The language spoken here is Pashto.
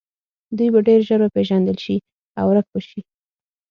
دوی به ډیر ژر وپیژندل شي او ورک به شي